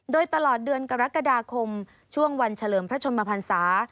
โดยตลอดเดือนกรกฎาคมช่วงวันเฉลิมพระชนมพันศา